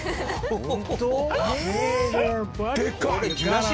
本当？